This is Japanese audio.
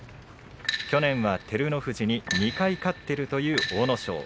去年は照ノ富士に２回勝っているという阿武咲。